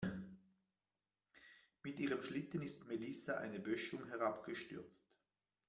Mit ihrem Schlitten ist Melissa eine Böschung herabgestürzt.